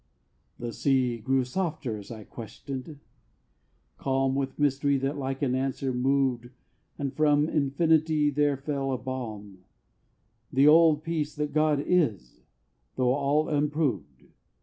IV The sea grew softer as I questioned calm With mystery that like an answer moved, And from infinity there fell a balm, The old peace that God is, tho all unproved.